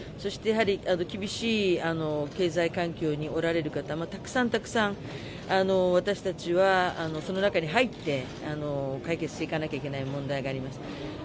厳しい経済環境におられる方たくさんたくさん私たちは、その中に入って解決していかなきゃいけない問題があります。